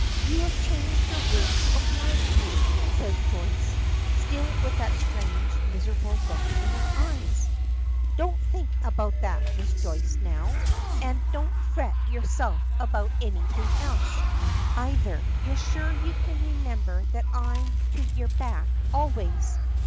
"You have changed your room to oblige me," says Joyce, still with that strange, miserable look in her eyes. "Don't think about that, Miss Joyce, now. An' don't fret yerself about anything else, ayther; sure ye can remimber that I'm to yer back always."